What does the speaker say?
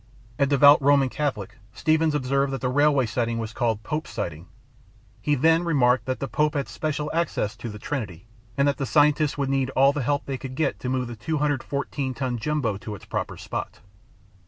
"A devout Roman Catholic, Stevens observed that the railroad siding was called 'Pope's Siding.' He [then] remarked that the Pope had special access to the Trinity, and that the scientists would need all the help they could get to move the 214 ton Jumbo to its proper spot."